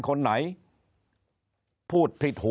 คนในวงการสื่อ๓๐องค์กร